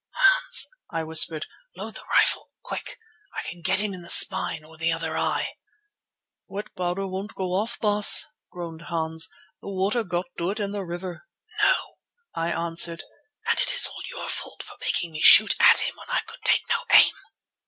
"Hans," I whispered, "load the rifle quick! I can get him in the spine or the other eye." "Wet powder won't go off, Baas," groaned Hans. "The water got to it in the river." "No," I answered, "and it is all your fault for making me shoot at him when I could take no aim."